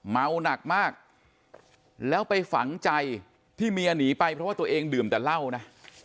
เมาหนักมากแล้วไปฝังใจที่เมียหนีไปเพราะว่าตัวเองดื่มแต่เหล้านะ